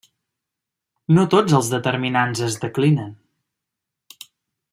No tots els determinants es declinen.